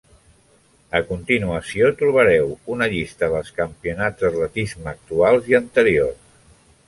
A continuació trobareu una llista dels campionats d'atletisme actuals i anteriors.